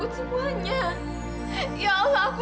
harusberangkan bagal dirah masing